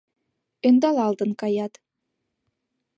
Ӧндалалтын каят.